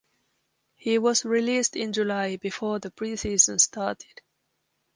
He was released in July before the preseason started.